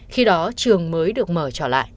khi đó trường mới được mở trở lại